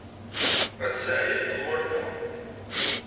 Ay tesseɛyay tḍewwalt-a!